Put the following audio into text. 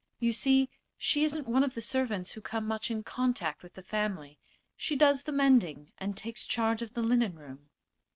You see she isn't one of the servants who come much in contact with the family; she does the mending and takes charge of the linen room."